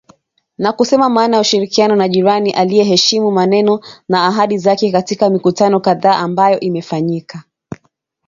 Na kusema maana ya ushirikiano na jirani aiyeheshimu maneno na ahadi zake katika mikutano kadhaa ambayo imefanyika